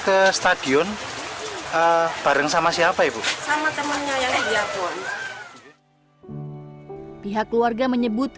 ke stadion bareng sama siapa ibu sama temennya yang jatuh pihak keluarga menyebut